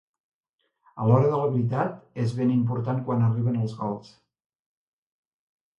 A l'hora de la veritat, és ben important quan arriben els gols.